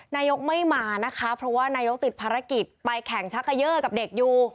นายกไม่มานะคะเพราะว่านายกติดภารกิจไปแข่งชักเกยอร์กับเด็กอยู่